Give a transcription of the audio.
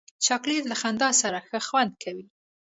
چاکلېټ له خندا سره ښه خوند کوي.